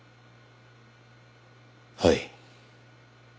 はい。